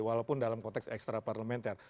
walaupun dalam konteks ekstraparlimenter